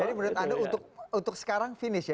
jadi menurut anda untuk sekarang finish ya